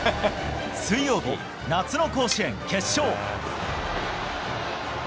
水曜日、夏の甲子園決勝。